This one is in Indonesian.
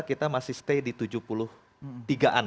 kita masih stay di tujuh puluh tiga an